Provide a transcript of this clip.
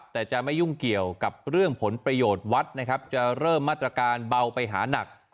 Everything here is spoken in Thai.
แต่จะไม่ยุ่งเกี่ยวกับเรื่องผลประโยชน์วัดนะครับจะเริ่มมาตรการเบาไปหานัก